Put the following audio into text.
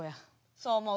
そう思う。